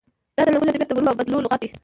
دا د لرغونو ادبیاتو د بوللو او بدلو لغت دی.